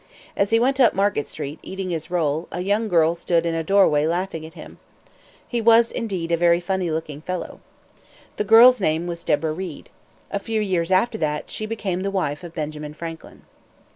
As he went up Market street, eating his roll, a young girl stood in a doorway laughing at him. He was, indeed, a very funny looking fellow. The girl's name was Deborah Read. A few years after that, she became the wife of Benjamin Franklin.